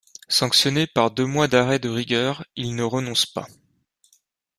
Sanctionné par deux mois d'arrêts de rigueur, il ne renonce pas.